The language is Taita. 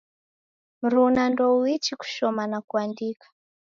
Mruna ndouichi kushoma na kuandika